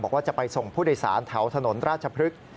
บอกว่าจะไปส่งผู้โดยสารเถาถนนราชพฤษ